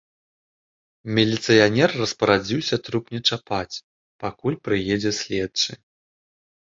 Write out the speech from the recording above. Міліцыянер распарадзіўся труп не чапаць, пакуль прыедзе следчы.